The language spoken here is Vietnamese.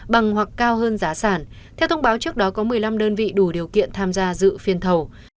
bằng hoặc cao hơn giá sản theo thông báo trước đó có một mươi năm đơn vị đủ điều kiện tham gia dự phiên thầu